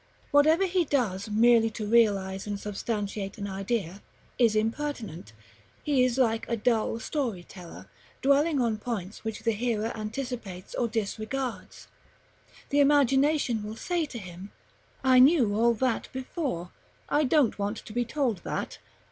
Whatever he does merely to realize and substantiate an idea is impertinent; he is like a dull story teller, dwelling on points which the hearer anticipates or disregards. The imagination will say to him: "I knew all that before; I don't want to be told that.